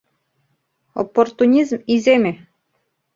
Оппортунизм иземе.